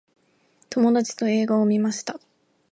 友達と映画を観ました。